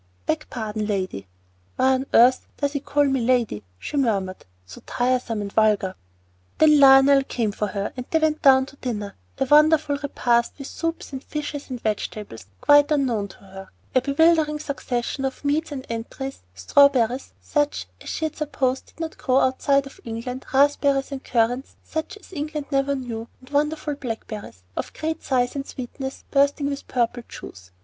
"Beg pardon, lady." "Why on earth does he call me 'lady'?" she murmured "so tiresome and vulgar!" Then Lionel came for her, and they went down to dinner, a wonderful repast, with soups and fishes and vegetables quite unknown to her; a bewildering succession of meats and entrées, strawberries such as she had supposed did not grow outside of England, raspberries and currants such as England never knew, and wonderful blackberries, of great size and sweetness, bursting with purple juice.